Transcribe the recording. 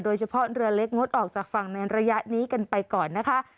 โดยเฉพาะเรือเล็กงดออกจากฝั่งในระยะนี้กันไปก่อนนะคะ